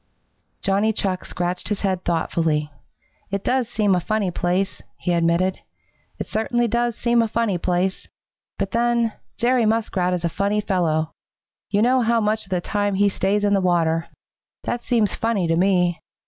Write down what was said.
Johnny Chuck scratched his head thoughtfully. "It does seem a funny place," he admitted. "It certainly does seem a funny place. But then, Jerry Muskrat is a funny fellow. You know how much of the time he stays in the water. That seems funny to me.